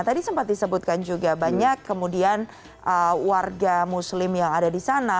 tadi sempat disebutkan juga banyak kemudian warga muslim yang ada di sana